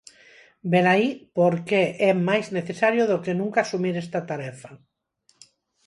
Velaí por que é máis necesario do que nunca asumir esta tarefa.